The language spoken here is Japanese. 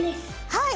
はい。